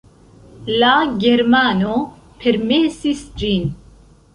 La germano permesis ĝin.